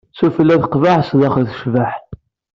Sufella Teqbeḥ, sdaxel Tecbeḥ.